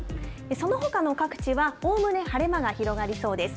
そのほかの各地は、おおむね晴れ間が広がりそうです。